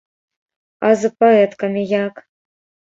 А з паэткамі як?